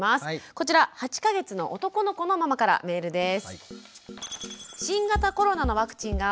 こちら８か月の男の子のママからメールです。